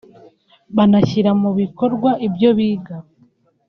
banashyira mu bikorwa ibyo biga